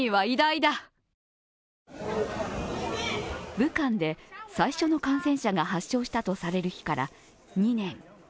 武漢で最初の感染者が発症したとされる日から２年。